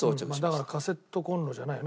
だからカセットコンロじゃないよな。